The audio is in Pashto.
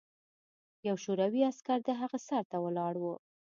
یو شوروي عسکر د هغه سر ته ولاړ و